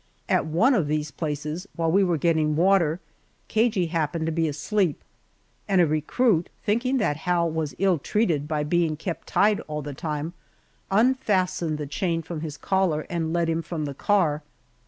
At one of these places, while we were getting water. Cagey happened to be asleep, and a recruit, thinking that Hal was ill treated by being kept tied all the time, unfastened the chain from his collar and led him from the car.